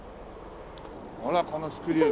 ほらこのスクリュー金の。